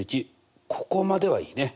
ここまではいいね。